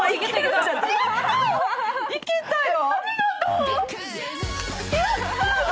いけたよ！